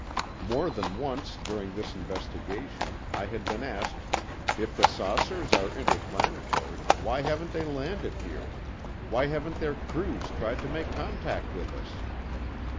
More than once, during this investigation, I had been asked: "If the saucers are interplanetary, why haven't they landed here? Why haven't their crews tried to make contact with us?"